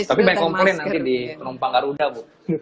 tapi baik ngomongin nanti di penumpang karuda bu